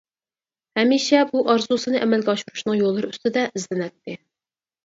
ھەمىشە بۇ ئارزۇسىنى ئەمەلگە ئاشۇرۇشنىڭ يوللىرى ئۈستىدە ئىزدىنەتتى!